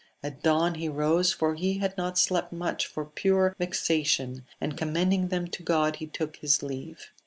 At dawn he rose, for he had not slept much for pure vexation, and, commending them to God, he took his leave.